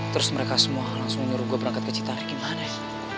terus mereka semua langsung nyuruh gue berangkat ke citar gimana ya